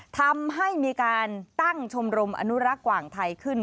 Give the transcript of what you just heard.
ทำให้มีการตั้งชมรมอนุรักษ์กว่างไทยขึ้น